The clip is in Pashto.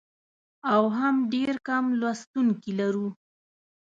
او هم ډېر کم لوستونکي لرو.